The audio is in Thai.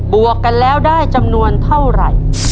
วกกันแล้วได้จำนวนเท่าไหร่